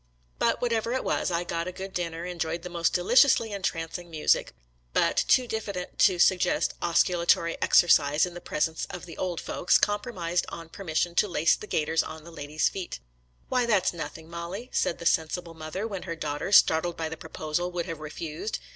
But, whatever it was, I got a good din ner, enjoyed the most deliciously entrancing music, but, too diffident to suggest osculatory exercise in the presence of the old folks, com promised on permission to lace the gaiters on the lady's feet. "Why, that's nothing, MoUie," said the sensible mother, when her daughter, startled by the proposal, would have refused.